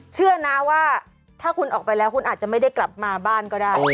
เชื่อนะว่าถ้าคุณออกไปแล้วคุณอาจจะไม่ได้กลับมาบ้านก็ได้